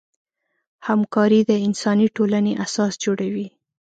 همکاري د انساني ټولنې اساس جوړوي.